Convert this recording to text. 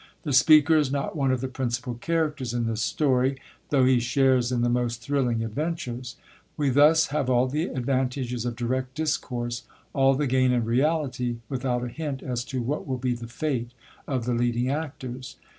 The speaker is not one of the principal characters in the story, though he shares in the most thrilling adventures. We thus have all the advantages of direct discourse, all the gain in reality without a hint as to what will be the fate of the leading actors.